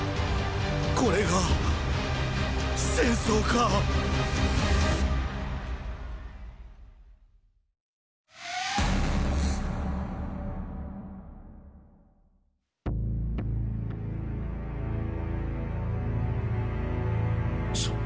これが戦争かさ